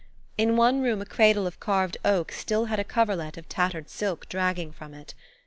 In one room a cradle of carved oak still had a coverlet of tattered silk dragging from it.